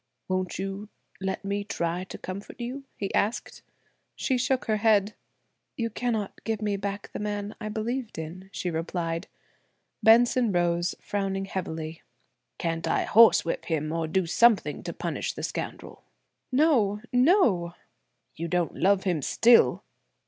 "Won't you let me try to comfort you?" he asked. She shook her head. "You cannot give me back the man I believed in," she replied. Benson rose, frowning heavily. "Can't I horsewhip him or do something to punish the scoundrel?" "No, no!" "You don't love him still?"